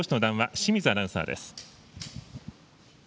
清水アナウンサーです。